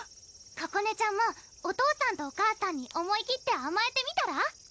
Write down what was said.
ここねちゃんもお父さんとお母さんに思いきってあまえてみたら？